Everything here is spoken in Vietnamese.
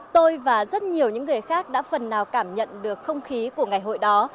tôi và rất nhiều những người khác đã phần nào cảm nhận được không khí của ngày hội đó